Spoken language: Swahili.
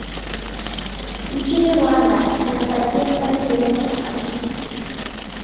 nchini rwanda linatarajia kufanya zoezi la kuhakiki